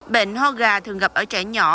bệnh ho gà thường gặp ở trẻ nhỏ